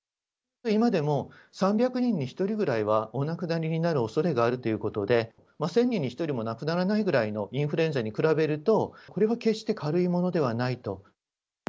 今でも３００人に１人ぐらいはお亡くなりになるおそれがあるということで、１０００人に１人も亡くならないくらいのインフルエンザに比べると、これは決して軽いものではないと。